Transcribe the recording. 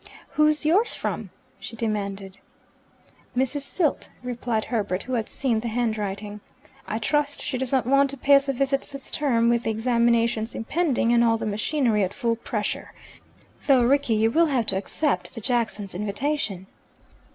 "Who's yours from?" she demanded. "Mrs. Silt," replied Herbert, who had seen the handwriting. "I trust she does not want to pay us a visit this term, with the examinations impending and all the machinery at full pressure. Though, Rickie, you will have to accept the Jacksons' invitation."